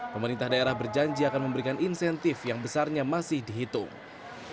pemerintah daerah berjanji akan memberikan insentif yang besarnya masih dihitung